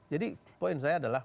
jadi poin saya adalah